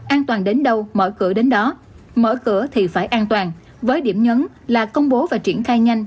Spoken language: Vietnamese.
an toàn đến đâu mở cửa đến đó mở cửa thì phải an toàn với điểm nhấn là công bố và triển khai nhanh